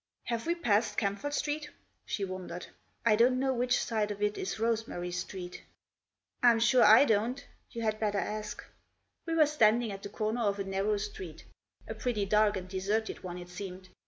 " Have we passed Camford Street ?" she wondered. " I don't know which side of it is Rosemary Street" " Fm sure I don't. You had better ask." We were standing at the corner of a narrow street, a pretty dark and deserted one it seemed.